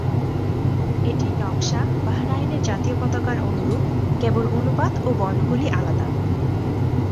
এটির নকশা বাহরাইনের জাতীয় পতাকার অনুরূপ, কেবল অনুপাত ও বর্ণগুলি আলাদা।